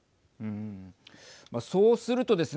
そうするとですね